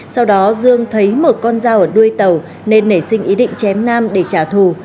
sau đó dương thấy một con dao ở đuôi tàu nên nảy sinh ý định chém nam để trả thù